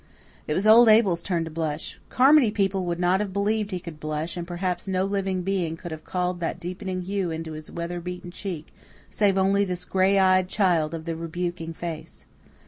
It was old Abel's turn to blush. Carmody people would not have believed he could blush; and perhaps no living being could have called that deepening hue into his weather beaten cheek save only this gray eyed child of the rebuking face.